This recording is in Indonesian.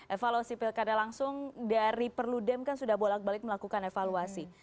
evaluasi pilkada langsung dari perludem kan sudah bolak balik melakukan evaluasi